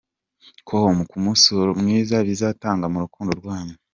com ku musaruro mwiza bizatanga mu rukundo rwanyu.